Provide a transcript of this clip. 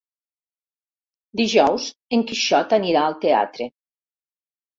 Dijous en Quixot anirà al teatre.